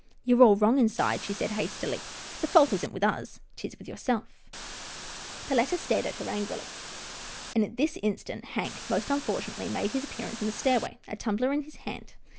" You're all wrong inside," she said hastily. " The fault isn't with us, 'tis with yourself." LITTLE HOUSETOP 157 Perletta stared at her angrily, and, at this instant, Hank, most unfortunately, made his appearance in the stairway, a tumbler in his hand.